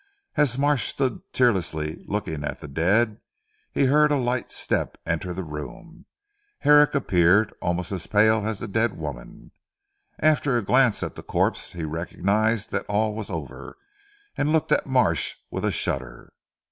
As Marsh stood tearlessly looking at the dead, he heard a light step enter the room. Herrick appeared, almost as pale as the dead woman. After a glance at the corpse, he recognised that all was over, and looked at Marsh with a shudder.